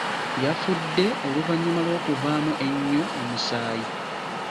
Yafudde oluvannyuma lw'okuvaamu ennyo omusaayi.